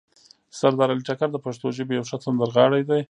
سردار علي ټکر د پښتو ژبې یو ښه سندرغاړی ده